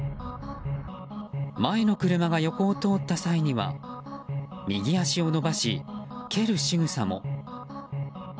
前の車が横を通った際には右足を伸ばし、蹴るしぐさも。